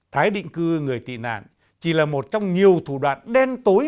thái định cư người tị nạn chỉ là một trong nhiều thủ đoạn đen tối